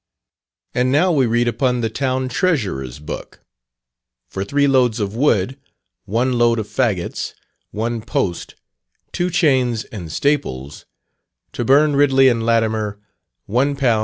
And now we read upon the Town Treasurer's book for three loads of wood, one load of faggots, one post, two chains and staples, to burn Ridley and Latimer, £1 5s.